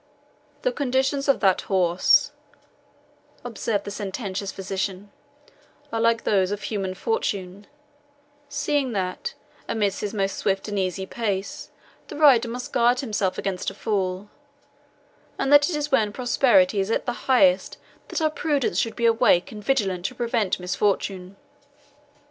"The conditions of that horse," observed the sententious physician, "are like those of human fortune seeing that, amidst his most swift and easy pace, the rider must guard himself against a fall, and that it is when prosperity is at the highest that our prudence should be awake and vigilant to prevent misfortune."